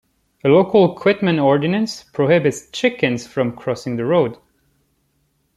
A local Quitman ordinance prohibits chickens from crossing the road.